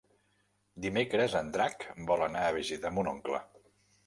Dimecres en Drac vol anar a visitar mon oncle.